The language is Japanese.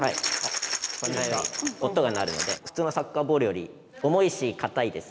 こんなように音が鳴るので普通のサッカーボールより重いし硬いです。